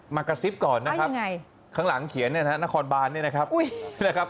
มากระซิบก่อนข้างหลังเขียนนครบาลเนี่ยนะครับ